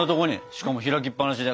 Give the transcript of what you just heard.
しかも開きっぱなしで。